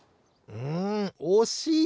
んおしい！